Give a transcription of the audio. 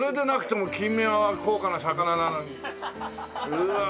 うわあ！